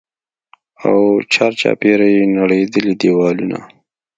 او چارچاپېره يې نړېدلي دېوالونه.